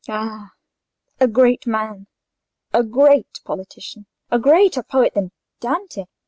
Ah! a great man—a great politician—a greater poet than Dante.